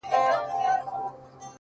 o دغه ياغي خـلـگـو بــه منـلاى نـــه؛